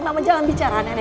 mama jangan bicara